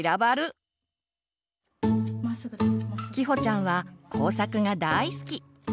きほちゃんは工作が大好き。